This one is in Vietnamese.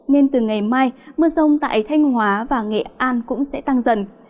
nên từ ngày mai mưa rông tại thanh hóa và nghệ an cũng sẽ tăng dần